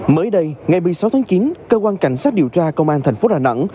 mới đây ngày một mươi sáu tháng chín cơ quan cảnh sát điều tra công an thành phố đà nẵng